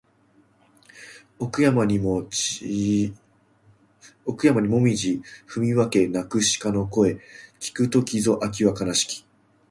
奥山にもみぢ踏み分け鳴く鹿の声聞く時ぞ秋は悲しき